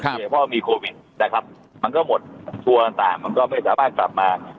เพราะมีโควิดนะครับมันก็หมดทัวร์ต่างมันก็ไม่สามารถกลับมา